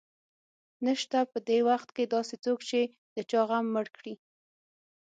نشته په دې وخت کې داسې څوک چې د چا غم مړ کړي